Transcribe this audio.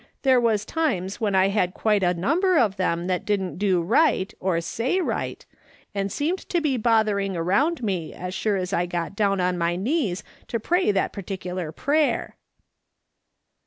There was times when I had quite a number of them that didn't do right, or say right, and seemed to be bothering around me as sure as I got down on my knees to pray that particular prayer